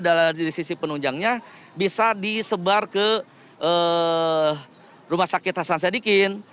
dari sisi penunjangnya bisa disebar ke rumah sakit hasan sadikin